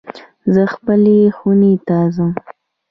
زه خپلی خونی ته ځم